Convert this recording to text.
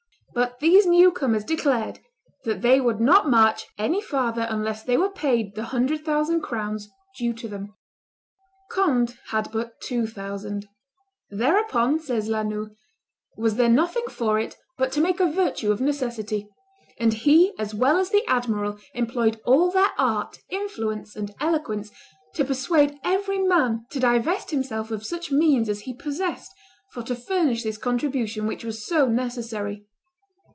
But these new comers declared that they would not march any farther unless they were paid the hundred thousand crowns due to them. Conde had but two thousand. "Thereupon," says La Noue, "was there nothing for it but to make a virtue of necessity; and he as well as the admiral employed all their art, influence, and eloquence to persuade every man to divest himself of such means as he possessed for to furnish this contribution, which was so necessary.